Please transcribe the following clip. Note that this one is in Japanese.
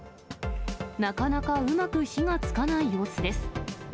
なかなかうまく火がつかない様子です。